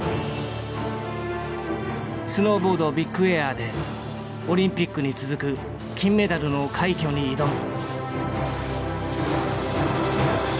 スノーボードビッグエアでオリンピックに続く金メダルの快挙に挑む。